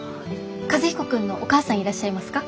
和彦君のお母さんいらっしゃいますか？